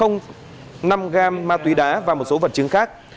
năm gram ma túy đá và một số vật chứng khác